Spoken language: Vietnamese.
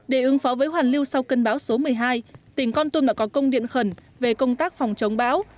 để ứng phó với hoàn lưu sau cân báo số một mươi hai tỉnh con tum đã có công điện khẩn về công tác phòng chống báo